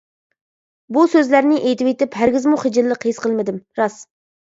بۇ سۆزلەرنى ئېيتىۋېتىپ ھەرگىزمۇ خىجىللىق ھېس قىلمىدىم، راست!